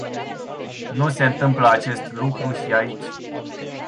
Nu se întâmplă acest lucru și aici.